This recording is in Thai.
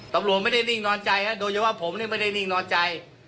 ตำรวจไม่ได้นิ่งนอนใจโดยเฉพาะผมนี่ไม่ได้นิ่งนอนใจ